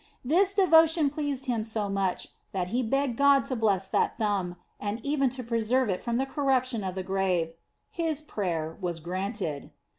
This devotion pleased him so much, that he begged God to bless that thumb, and even to preserve it from the corruption of the grave. His prayer was granted.